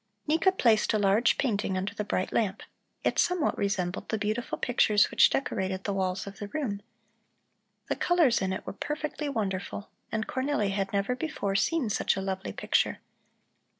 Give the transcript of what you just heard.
Nika placed a large painting under the bright lamp. It somewhat resembled the beautiful pictures which decorated the walls of the room. The colors in it were perfectly wonderful, and Cornelli had never before seen such a lovely picture.